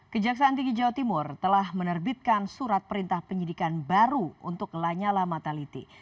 kejaksaan tinggi jawa timur telah menerbitkan surat perintah penyidikan baru untuk lanyala mataliti